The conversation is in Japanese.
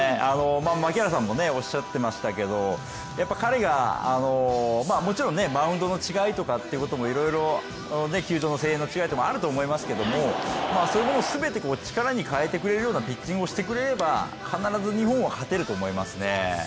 槙原さんもおっしゃってましたけど彼がもちろんマウンドの違いとか、球場の声援の違いとかもあると思いますけれどもそういうもの全て力に変えてくれるようなピッチングをしてくれれば、必ず日本は勝てると思いますね。